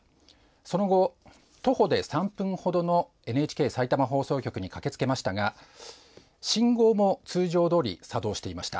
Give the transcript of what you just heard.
その後、徒歩で３分程のＮＨＫさいたま放送局に駆けつけましたが信号も通常どおり作動していました。